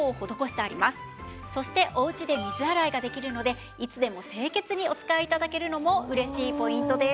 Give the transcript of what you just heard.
そしておうちで水洗いができるのでいつでも清潔にお使い頂けるのも嬉しいポイントです。